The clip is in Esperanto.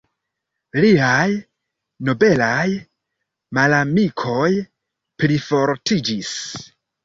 Liaj nobelaj malamikoj plifortiĝis.